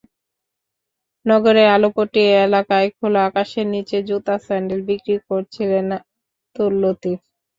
নগরের আলুপট্টি এলাকায় খোলা আকাশের নিচে জুতা স্যান্ডেল বিক্রি করছিলেন আব্দুল লতিফ।